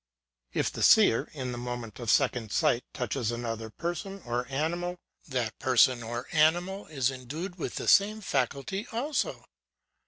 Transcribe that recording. If the seer, in the moment of second sight, touches another person, or animal, that person, or animal, is endued with the same faculty also.